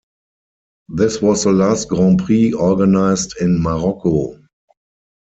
This was the last Grand Prix organized in Morocco.